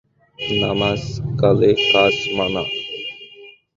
নামাজ কালে কাজ মানা।